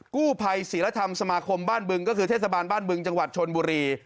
กู้ภัยศิลธรรมสมาคมบ้านบึงก็คือเทศบาลบ้านบึงจังหวัดชนบุรี